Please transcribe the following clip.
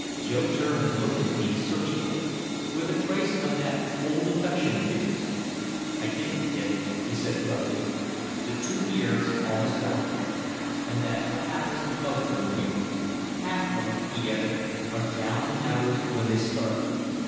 Joe turned and looked at me searchingly, with a trace of that old affection of his. "I didn't, Kid," he said gruffly. "The two years almost got me. And that's what happens to most of 'em here. Half of 'em," he added, "are down and outers when they start.